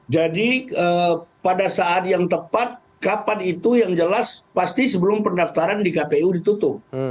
pada saat yang tepat kapan itu yang jelas pasti sebelum pendaftaran di kpu ditutup